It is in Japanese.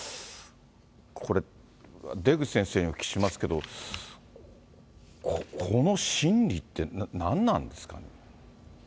これ、出口先生にお聞きしますけど、この心理って何なんですかね。